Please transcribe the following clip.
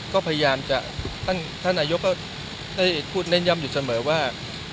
ก็พยายามจะท่านนายกก็ได้พูดเน้นย่ำอยู่เสมอว่า